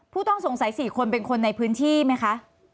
ผู้ต้องสงสัย๔คนเป็นคนในพื้นที่ไหมคะ